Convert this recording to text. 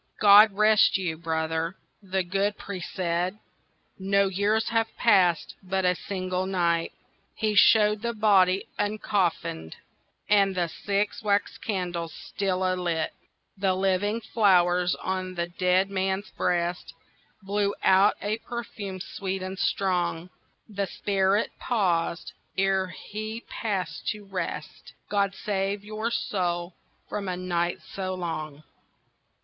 "God rest you, brother," the good priest said, "No years have passed—but a single night." He showed the body uncoffinèd, And the six wax candles still alight. The living flowers on the dead man's breast Blew out a perfume sweet and strong. The spirit paused ere he passed to rest— "God save your soul from a night so long."